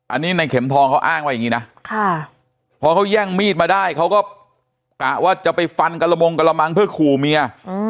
อันนี้ในเข็มทองเขาอ้างว่าอย่างนี้นะพอเขาแย่งมีดมาได้เขาก็กะว่าจะไปฟันกระมงกระมังเพื่อขู่เมีย